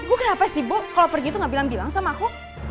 ibu kenapa sih ibu kalau pergi tuh gak bilang bilang sama aku